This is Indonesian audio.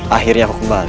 akhirnya aku kembali